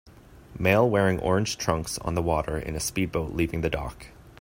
Male wearing orange trunks on the water in a speedboat leaving the dock.